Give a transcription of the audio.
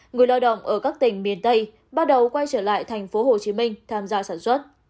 người lao động ở các tỉnh miền tây bắt đầu quay trở lại tp hcm tham gia sản xuất